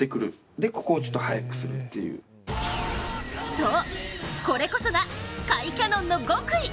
そう、これこそが甲斐キャノンの極意。